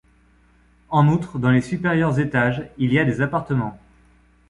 En outre, dans les supérieurs étages il y a des appartements.